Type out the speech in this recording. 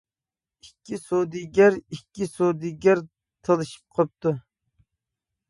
ئىككى سودىگەر ئىككى سودىگەر تالىشىپ قاپتۇ.